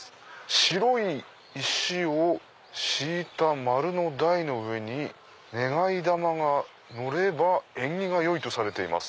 白い石を敷いた丸い台の上に願玉が乗れば縁起が良いとされています」。